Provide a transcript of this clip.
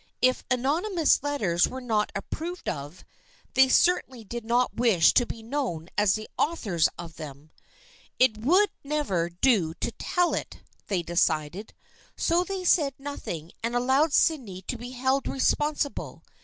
If anonymous letters were not approved of, they certainly did not wish to be known as the authors of them. It would never do to tell it, they decided. So they said nothing and allowed Sydney to be held responsi ble.